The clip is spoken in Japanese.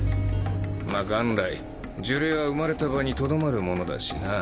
まっ元来呪霊は生まれた場にとどまるものだしな。